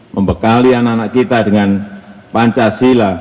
membekali anak anak kita dengan pancasila